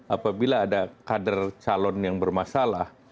apabila ada kader calon yang bermasalah